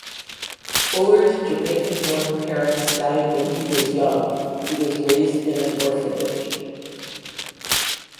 Fuller's Jamaican-born parents died when he was young; he was raised in an orphanage.